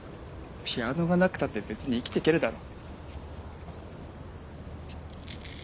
ピアノがなくたって別に生きて行けるだろ？